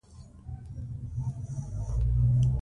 بزګان د افغانستان د ځایي اقتصادونو بنسټ دی.